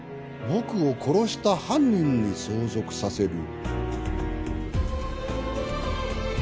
僕を殺した犯人に全財産を相続させる？